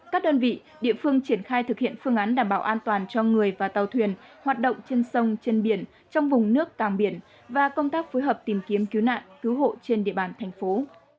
các đơn vị địa phương triển khai thực hiện phương án đảm bảo an toàn cho người và tàu thuyền hoạt động trên sông trên biển trong vùng nước càng biển và công tác phối hợp tìm kiếm cứu nạn cứu hộ trên địa bàn thành phố